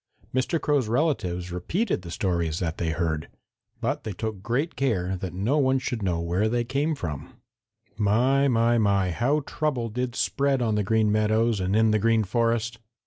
Mr. Crow's relatives repeated the stories that they heard. But they took great care that no one should know where they came from. My, my, my, how trouble did spread on the Green Meadows and in the Green Forest!